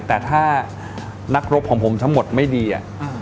แต่ถ้านักรบผมทั้งหมดมันไม่ดีอ่ะ